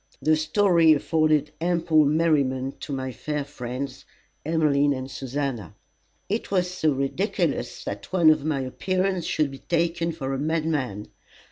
The story afforded ample merriment to my fair friends Emmeline and Susannah. "It was so ridiculous that one of my appearance should be taken for a madman.